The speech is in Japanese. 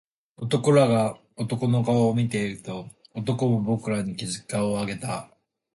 僕らが男を見ていると、男も僕らに気付き顔を上げた